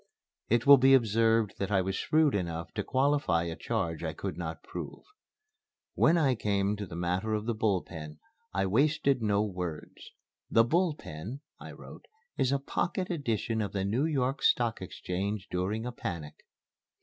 It will be observed that I was shrewd enough to qualify a charge I could not prove. When I came to the matter of the Bull Pen, I wasted no words: "The Bull Pen," I wrote, "is a pocket edition of the New York Stock Exchange during a panic."